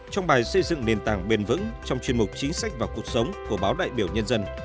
trong bài xây dựng nền tảng bền vững trong chuyên mục chính sách và cuộc sống của báo đại biểu nhân dân